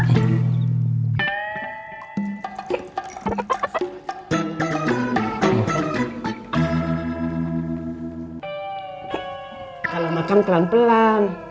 kalau makan pelan pelan